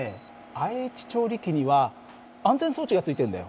ＩＨ調理器には安全装置がついてるんだよ。